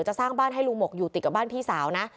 สร้างบ้านให้ลุงหมกอยู่ติดกับบ้านพี่สาวนะ